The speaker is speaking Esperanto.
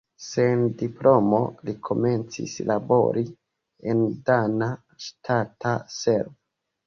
Sen diplomo li komencis labori en dana ŝtata servo.